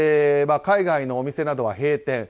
海外のお店などは閉店。